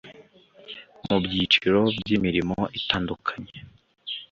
mu byiciro by’imirimo itandukanye